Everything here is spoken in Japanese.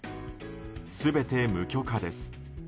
全て無許可です。